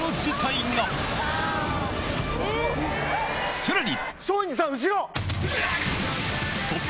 さらに！